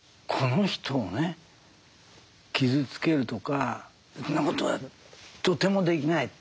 この人をね傷つけるとかそんなことはとてもできないって。